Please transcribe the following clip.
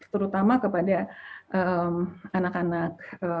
terutama kepada anak anak